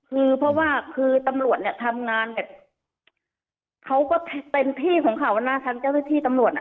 คือเพราะว่าคือตำรวจเนี่ยทำงานแบบเขาก็เต็มที่ของเขานะทางเจ้าหน้าที่ตำรวจอ่ะ